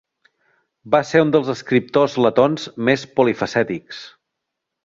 Va ser un dels escriptors letons més polifacètics.